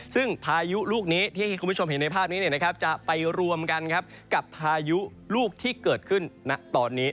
ซึ่งพายุลูกนี้ที่คุณผู้ชมเห็นในภาพนี้จะไปรวมกันกับพายุลูกที่เกิดขึ้นณตอนนี้